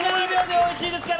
おいしいですから。